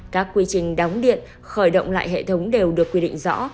các quy trình đóng điện khởi động lại hệ thống đều được quy định rõ